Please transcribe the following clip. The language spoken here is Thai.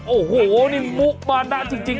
โอ้โหนี่มุกมานะจริง